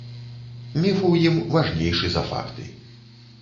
Міф у ім важнейшы за факты.